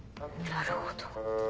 なるほど。